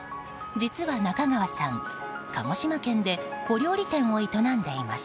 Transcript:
実は中川さん、鹿児島県で小料理店を営んでいます。